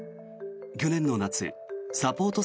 去年の夏サポート